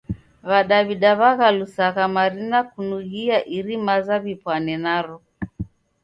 W'adaw'ida w'aghalusagha marina kunughia iri maza w'ipwane naro.